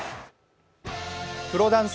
プロダンス